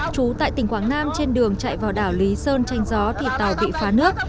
chú tại tỉnh quảng nam trên đường chạy vào đảo lý sơn tranh gió thì tàu bị phá nước